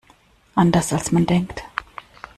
Anders als man denkt.